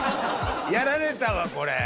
やられたわ、これ。